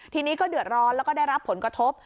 ทีนี้ก็เดือดร้อนแล้วก็ได้รับผลกระทบ